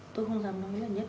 tôi không dám nói là nhất